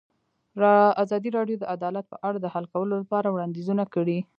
ازادي راډیو د عدالت په اړه د حل کولو لپاره وړاندیزونه کړي.